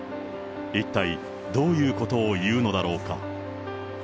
一体どういうことを言うのだろうか。